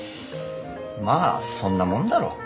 まあそんなもんだろう。